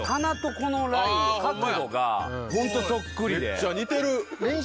めっちゃ似てる。